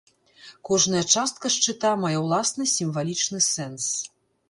Кожная частка шчыта мае ўласны сімвалічны сэнс.